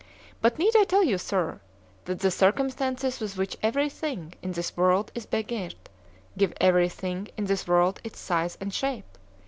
——But need I tell you, Sir, that the circumstances with which every thing in this world is begirt, give every thing in this world its size and shape!